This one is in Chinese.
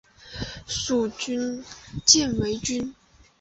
属犍为郡。